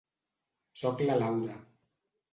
Soc la Laura.